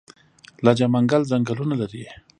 لجه منګل ځنګلونه لري؟